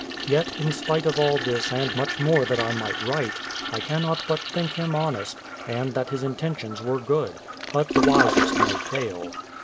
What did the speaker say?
Yet, in spite of all this and much more that I might write, I cannot but think him honest, and that his intentions were good; but the wisest may fail.